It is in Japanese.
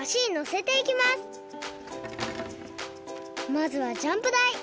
まずはジャンプだい！